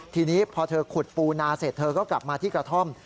ทีนี้พอเธอขุดปูนาเสร็จเธอก็กลับมาที่กระท่อม